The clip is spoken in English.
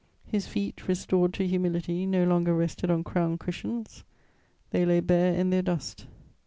His feet, restored to humility, no longer rested on crown cushions; they lay bare in their dust.